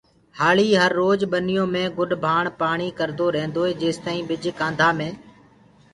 هآݪي هرروج ٻنيو مي گُڏ ڀآڻ پآڻي ڪردو ريهندوئي جيستآئين ٻج ڪآنڌآ مي